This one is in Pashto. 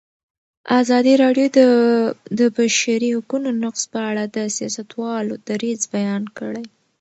ازادي راډیو د د بشري حقونو نقض په اړه د سیاستوالو دریځ بیان کړی.